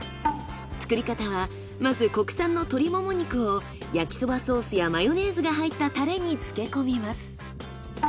作り方はまず国産の鶏もも肉を焼きそばソースやマヨネーズが入ったたれに漬け込みます。